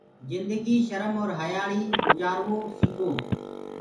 جندگي شرم اور هيآݪي گجآروو سيڪو